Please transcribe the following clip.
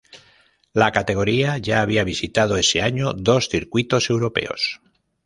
La categoría ya había visitado ese año dos circuitos europeos.